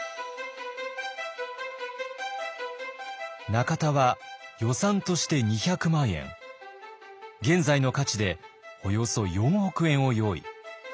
中田は予算として２００万円現在の価値でおよそ４億円を用意。